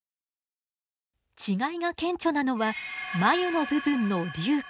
違いが顕著なのは眉の部分の隆起。